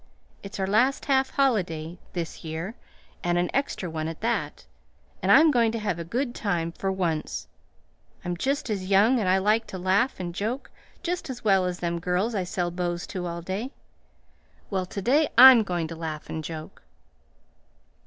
It's our last half holiday this year and an extra one, at that; and I'm going to have a good time for once. I'm just as young, and I like to laugh and joke just as well as them girls I sell bows to all day. Well, to day I'm going to laugh and joke."